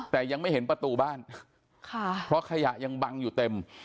แต่ยังไม่เห็นประตูบ้านค่ะเพราะขยะยังบังอยู่เต็ม